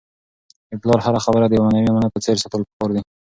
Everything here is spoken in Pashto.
د پلار هره خبره د یو معنوي امانت په څېر ساتل پکار دي.